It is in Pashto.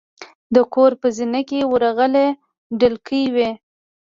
د کور په زینه کې ورغله ډکې وې.